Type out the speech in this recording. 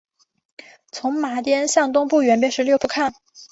从马甸向东不远便是六铺炕。